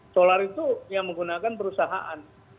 solar itu yang menggunakan perusahaan